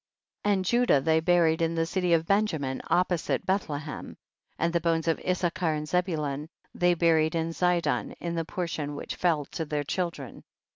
42. And Judah they buried in the city of Benjamin opposite Bethle hem. 43. And the bones of Issachar and Zebulun they buried in Zidon, in the portion which fell to their chil dren.